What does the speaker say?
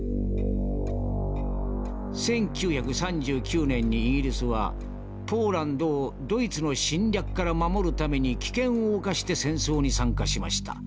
「１９３９年にイギリスはポーランドをドイツの侵略から守るために危険を冒して戦争に参加しました。